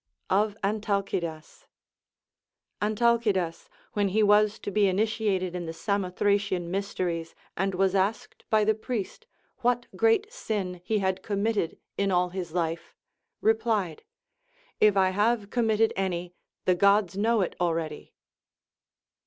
Of Aiitalcidas. Antalcidas, Λvhen he was to be initiated in the Samothra cian mysteries, and was asked by the priest what great sin he had committed in all his life, replied. If I have committed any, the Gods know it already.